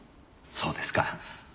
そうですか。